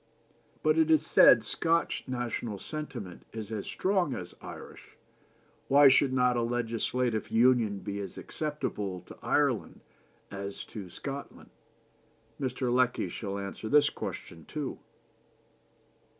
But, it is said, Scotch national sentiment is as strong as Irish, why should not a legislative union be as acceptable to Ireland as to Scotland? Mr. Lecky shall answer this question too.